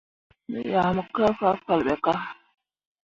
Me yah mo kah fahfalle ɓe kah.